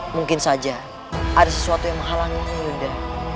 mungkin saja ada sesuatu yang menghalanginya yunda